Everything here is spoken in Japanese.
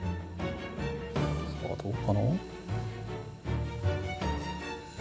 さあどうかな？